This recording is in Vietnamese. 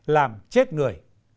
làm chết người